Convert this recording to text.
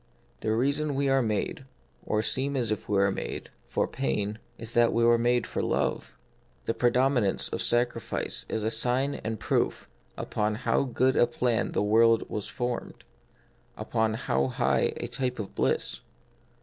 The rea son we are made, or seem as if we were made, for pain, is that we are made for love; the predominance of sacrifice is a sign and proof upon how good a plan the world was formed ; upon how high a type of bliss.